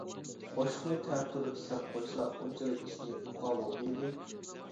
قوشۇقنى تەتۈر سەپ قويسا ئۇنچىلىك ئىشنى ئۇقا بولغىيدى.